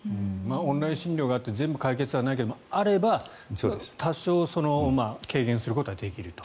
オンライン診療があって全部解決はできないけどあれば多少、軽減することはできると。